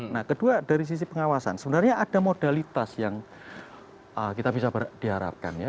nah kedua dari sisi pengawasan sebenarnya ada modalitas yang kita bisa diharapkan ya